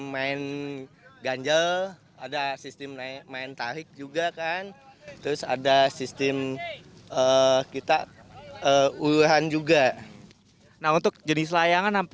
main ganjel ada sistem naik main tarik juga kan terus ada sistem kita uruhan juga nah untuk jenis layangan